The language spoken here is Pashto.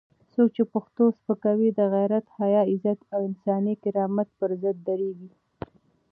څوک چې پښتو سپکوي، د غیرت، حیا، عزت او انساني کرامت پر ضد درېږي.